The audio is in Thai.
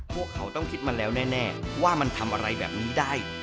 พวกเขาต้องคิดมาแล้วแน่ว่ามันทำอะไรแบบนี้ได้